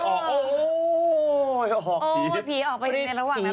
โอ้โหผีออกไปไร้ระหว่างนะพอดี